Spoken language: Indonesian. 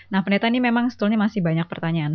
nah pendeta ini memang setulnya masih banyak pertanyaan